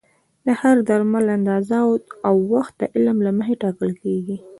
د هر درمل اندازه او وخت د علم له مخې ټاکل کېږي.